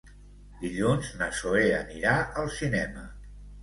Dilluns na Zoè anirà al cinema.